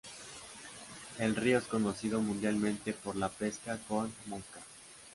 El río es conocido mundialmente por la pesca con mosca.